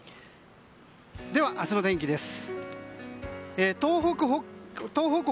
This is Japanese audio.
では明日の天気です。